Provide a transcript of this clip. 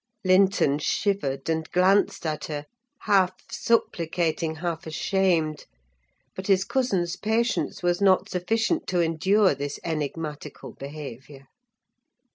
Linton shivered, and glanced at her, half supplicating, half ashamed; but his cousin's patience was not sufficient to endure this enigmatical behaviour.